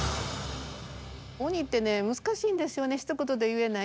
鬼ってねむずかしいんですよねひと言で言えない。